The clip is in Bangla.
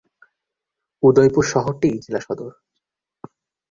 উদয়পুর শহরটি জেলা সদর।